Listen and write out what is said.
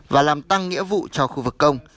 và làm tăng nghĩa vụ cho khu vực công